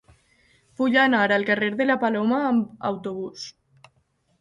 Vull anar al carrer de la Paloma amb autobús.